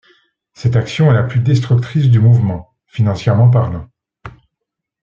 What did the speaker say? Cette action est la plus destructrice du mouvement, financièrement parlant.